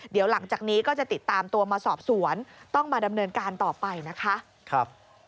เดี๋ยวหลังจากนี้ก็จะติดตามตัวมาสอบสวนต้องมาดำเนินการต่อไปนะคะ